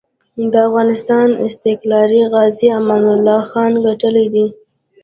د افغانسان استقلار غازي امان الله خان ګټلی دی.